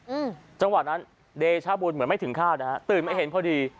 อืมจังหวะนั้นเดชาบุญเหมือนไม่ถึงข้าวนะฮะตื่นมาเห็นพอดี